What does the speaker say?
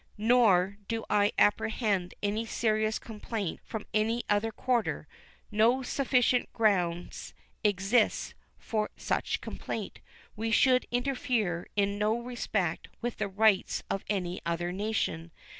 Nor do I apprehend any serious complaint from any other quarter; no sufficient ground exists for such complaint. We should interfere in no respect with the rights of any other nation.